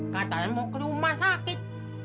katanya mau ke rumah sakit